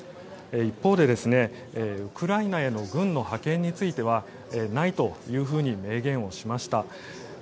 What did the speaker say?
一方で、ウクライナへの軍の派遣についてはないというふうに明言をしました。